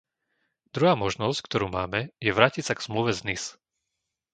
Druhá možnosť, ktorú máme, je vrátiť sa k Zmluve z Nice.